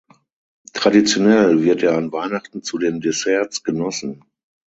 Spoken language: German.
Traditionell wird er an Weihnachten zu den Desserts genossen.